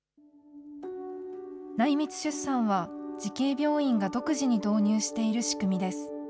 内密出産は、慈恵病院が独自に導入している仕組みです。